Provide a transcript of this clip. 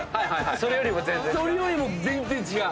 それよりも全然違う？